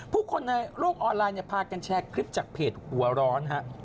ผู้คนในโลกออนไลน์เนี่ยพากันแชร์คลิปจากเพจหัวร้อนฮะ